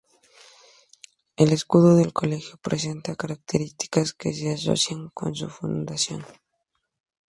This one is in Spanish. El escudo del colegio presenta características que se asocia con su fundación.